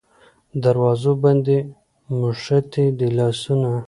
دروازو باندې موښتي دی لاسونه